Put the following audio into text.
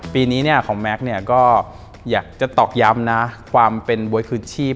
ปีนี้เนี่ยของแม็กซ์เนี่ยก็อยากจะตอกย้ำนะความเป็นบ๊วยคืนชีพ